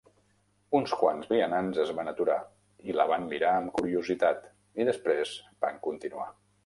Uns quants vianants es van aturar i la van mirar amb curiositat i, després, van continuar.